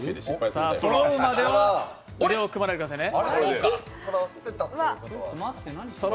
そろうまでは腕を組まないでくださいね。